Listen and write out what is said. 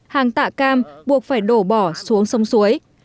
hàng tạ cam buộc phải đổ bỏ xuống sông suối